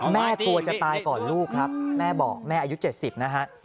กลัวจะตายก่อนลูกครับแม่บอกแม่อายุ๗๐นะฮะ